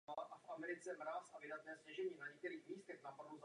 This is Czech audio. Nelze tudíž obecně definovat cíle a zásady všech škol.